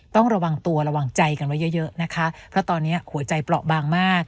ต้องระวังตัวระวังใจกันไว้เยอะนะคะเพราะตอนนี้หัวใจเปราะบางมาก